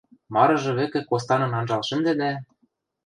Марыжы вӹкӹ костанын анжал шӹндӓ дӓ: